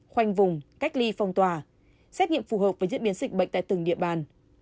khoanh vùng cách ly phòng tòa xét nghiệm phù hợp với diễn biến dịch bệnh tại từng địa bàn